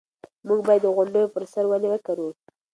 موږ باید د غونډیو په سر ونې وکرو.